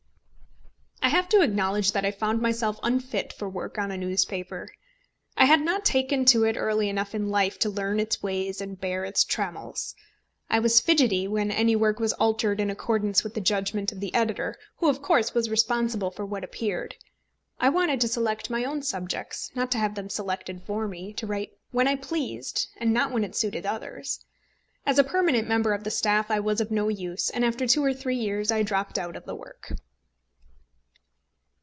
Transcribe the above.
I have to acknowledge that I found myself unfit for work on a newspaper. I had not taken to it early enough in life to learn its ways and bear its trammels. I was fidgety when any word was altered in accordance with the judgment of the editor, who, of course, was responsible for what appeared. I wanted to select my own subjects, not to have them selected for me; to write when I pleased, and not when it suited others. As a permanent member of a staff I was no use, and after two or three years I dropped out of the work.